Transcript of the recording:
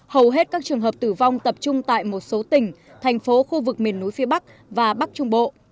hầu hết các trường hợp tử vong tập trung tại một số tỉnh thành phố khu vực miền núi phía bắc và bắc trung bộ